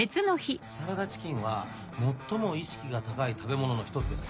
サラダチキンは最も意識が高い食べ物の一つです。